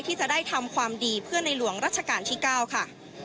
ที่จะได้ทำความดีเพื่อในหลวงรัชกาลที่๙ค่ะ